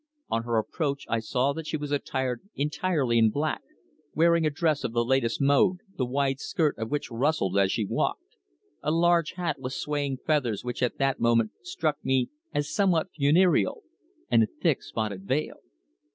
On her approach I saw that she was attired entirely in black, wearing a dress of the latest mode, the wide skirt of which rustled as she walked; a large hat with swaying feathers which at that moment struck me as somewhat funereal, and a thick spotted veil.